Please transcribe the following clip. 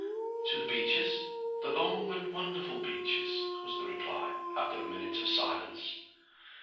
"To the Beaches—the Long and Wonderful Beaches!" was the reply, after a minute of silence.